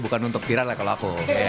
dan untuk viral lah kalau aku